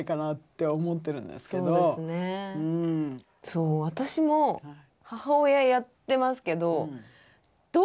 そう私も母親やってますけどまあ